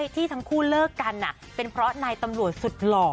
ที่ทั้งคู่เลิกกันเป็นเพราะนายตำรวจสุดหล่อ